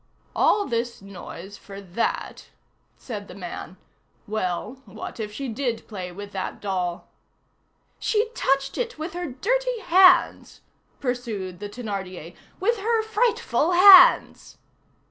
"All this noise for that!" said the man; "well, what if she did play with that doll?" "She touched it with her dirty hands!" pursued the Thénardier, "with her frightful hands!"